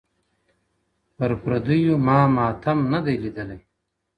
• پر پردیو ما ماتم نه دی لیدلی -